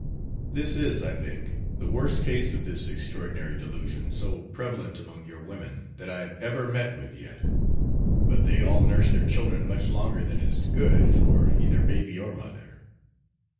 This is, I think, the worst case of this extraordinary delusion so prevalent among your women that I have ever met with yet; but they all nurse their children much longer than is good for either baby or mother.